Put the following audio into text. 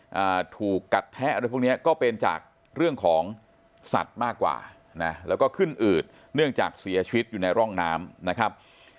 อ่าถูกกัดแทะอะไรพวกเนี้ยก็เป็นจากเรื่องของสัตว์มากกว่านะแล้วก็ขึ้นอืดเนื่องจากเสียชีวิตอยู่ในร่องน้ำนะครับ